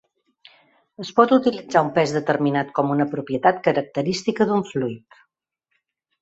Es pot utilitzar un pes determinat com una propietat característica d'un fluid.